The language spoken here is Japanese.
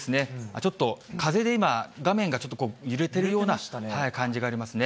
ちょっと風で今、画面が揺れているような感じがありますね。